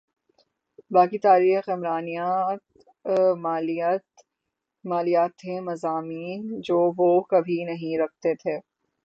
باقی تاریخ عمرانیات مالیات تھے مضامین جو وہ کبھی نہیں رکھتے تھے